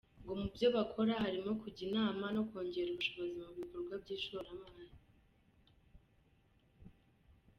Ngo mu byo bakora harimo kujya inama no kongera ubushobozi mu bikorwa by’ishoramari.